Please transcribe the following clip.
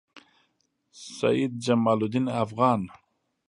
سعید جمالدین افغان